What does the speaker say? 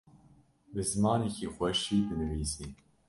bi zimanekî xweş jî dinivîsî